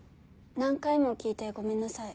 何回も聞いてごめんなさい。